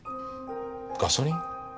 ガソリン？